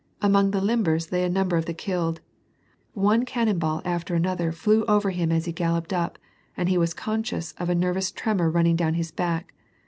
Among the limbers lay a number of the killed. One cannon ball after another flew over him as he galloped up, and he was conscious of a nervous tremor running down his back.